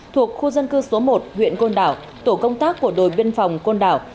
thuộc khu dân cư số một huyện côn đảo tổ công tác của đội biên phòng côn đảo